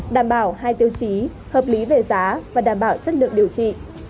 đảm bảo hai tiêu chí hợp lý về giá và đảm bảo chất lượng điều trị